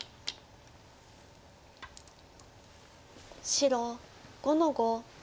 白５の五。